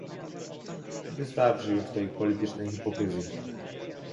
Wystarczy już tej politycznej hipokryzji